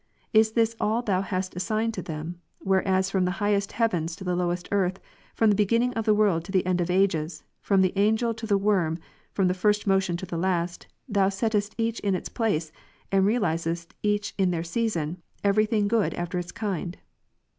Is this allThou hast assigned to them, whereas from the highest heavens to the lowest earth, from the beginning of the world to the end of ages, from the angel to the worm, from the first motion to the last. Thou settest each in its place, and realizest each in their season, every thing good after its kind